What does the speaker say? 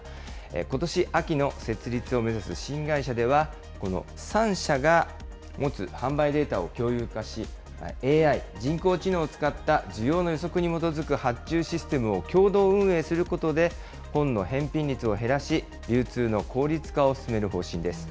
ことし秋の設立を目指す新会社では、この３社が持つ販売データを共有化し、ＡＩ・人工知能を使った需要の予測に基づく発注システムを共同運営することで、本の返品率を減らし、流通の効率化を進める方針です。